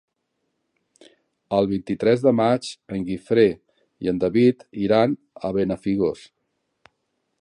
El vint-i-tres de maig en Guifré i en David iran a Benafigos.